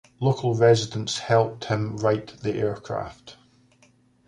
Local residents helped him right the aircraft.